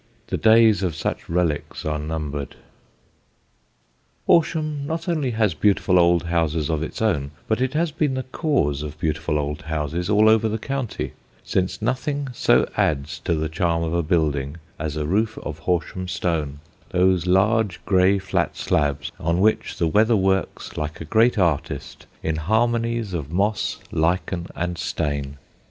The days of such relics are numbered.) [Sidenote: HORSHAM STONE] Horsham not only has beautiful old houses of its own, but it has been the cause of beautiful old houses all over the county; since nothing so adds to the charm of a building as a roof of Horsham stone, those large grey flat slabs on which the weather works like a great artist in harmonies of moss, lichen, and stain.